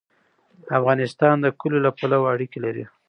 افغانستان د کلیو له پلوه اړیکې لري.